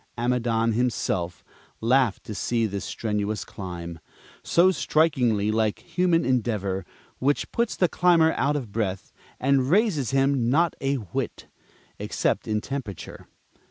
Amidon himself laughed to see this strenuous climb, so strikingly like human endeavor, which puts the climber out of breath, and raises him not a whit except in temperature.